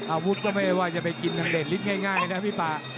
อาวุธก็ไม่ว่าจะไปกินทางเดชน์ลิสต์ง่ายนะพี่ป่า